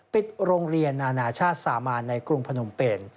ปิดโรงเรียนนานาชาติสามานในกรุงพนมเป็น